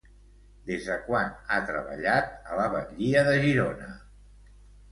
Des de quan ha treballat a la batllia de Girona?